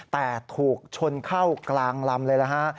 แต่ถูกชนเข้ากลางลำเลยนะฮะ